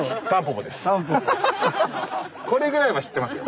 これぐらいは知ってますよ。